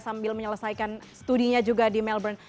sambil menyelesaikan studinya juga di melbourne